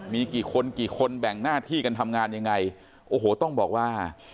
มีกี่คนกี่คนแบ่งหน้าที่กันทำงานยังไงโอ้โหต้องบอกว่า